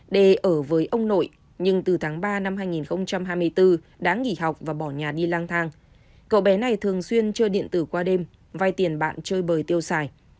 d ở với ông nội nhưng từ tháng ba năm hai nghìn hai mươi bốn đã nghỉ học và bỏ nhà đi lang thang cậu bé này thường xuyên chơi điện tử qua đêm vay tiền bạn chơi bời tiêu xài